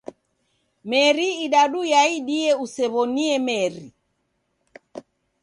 Meri idadu yaidie usew'onie meri.